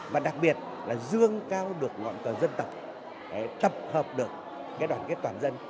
và đặc biệt là dương cao được ngọn cờ dân tộc tập hợp được cái đoàn kết toàn dân